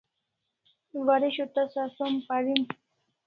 Waresho tasa som parim